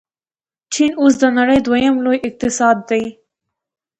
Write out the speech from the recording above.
چین اوس د نړۍ دویم لوی اقتصاد دی.